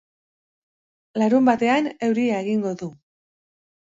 Larunbatean euria egingo du.